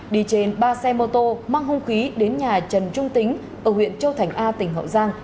đi trên ba xe mô tô mang hung khí đến nhà trần trung tính ở huyện châu thành a tỉnh hậu giang